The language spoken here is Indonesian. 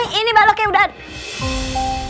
gemoy ini baloknya udah